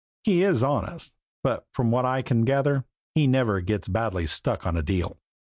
He is honest, but from what I can gather he never gets badly stuck on a deal.